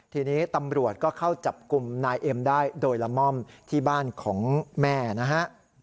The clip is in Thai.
ทีนี้ตำรวจก็เข้าจับกลุ่มนายเอ็มได้โดยละม่อมที่บ้านของแม่นะฮะ